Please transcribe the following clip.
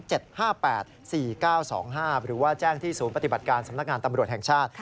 แจ้งที่ศูนย์ปฏิบัติการสำนักงานตำรวจแห่งชาติ